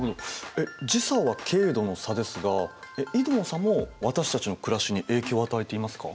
えっ時差は経度の差ですが緯度の差も私たちの暮らしに影響を与えていますか？